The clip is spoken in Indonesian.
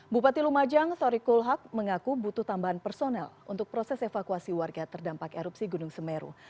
bupati lumajang sori kulhak mengaku butuh tambahan personel untuk proses evakuasi warga terdampak erupsi gunung semeru